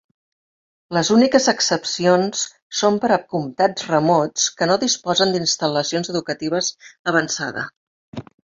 Les úniques excepcions són per a comtats remots que no disposen d'instal·lacions educatives avançada.